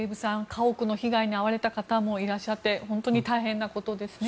家屋の被害に遭われた方もいらっしゃって本当に大変なことですね。